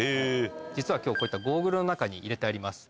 実はこういったゴーグルの中に入れてあります。